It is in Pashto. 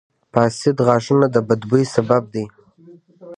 • فاسد غاښونه د بد بوي سبب دي.